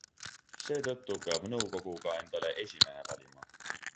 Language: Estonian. Seetõttu peab nõukogu ka endale esimehe valima.